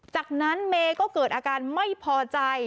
จากนั้นเมย์ก็เกิดอาการไม่พอใจ